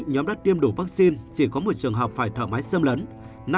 nhóm đã tiêm đủ vaccine chỉ có một trường hợp phải thở máy xâm lấn